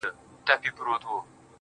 دغه دی يو يې وړمه، دغه دی خو غلا یې کړم,